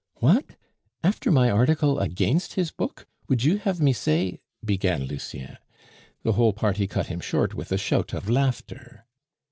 "What! After my article against his book, would you have me say " began Lucien. The whole party cut him short with a shout of laughter.